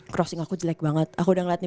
crossing aku jelek banget aku udah ngeliat nih